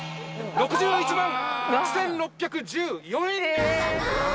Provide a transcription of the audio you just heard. ６１万６，６１４円。